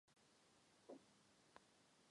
Nachází se ve čtvrti Rybáře.